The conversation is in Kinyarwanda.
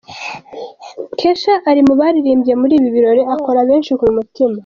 Kesha ari mu baririmbye muri ibi birori akora benshi ku mutima.